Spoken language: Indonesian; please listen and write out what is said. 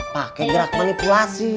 pakai gerak manipulasi